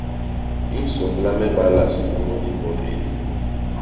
I nsômbla me balas munu i mbot ini.